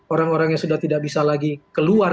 orang orang yang sudah tidak bisa lagi keluar